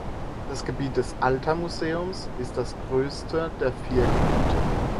Das Gebiet des Alta Museums ist das größte der vier Gebiete.